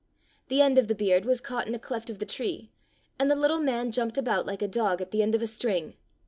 The end of the beard was caught in a cleft of the tree, and the little man jumped about like a dog at the end of a string.